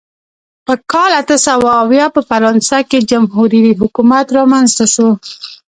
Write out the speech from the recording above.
په کال اته سوه اویا په فرانسه کې جمهوري حکومت رامنځته شو.